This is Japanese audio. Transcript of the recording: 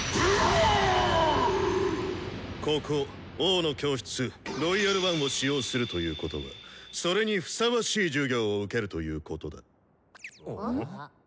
ここ「王の教室」「ロイヤル・ワン」を使用するということはそれにふさわしい授業を受けるということだ。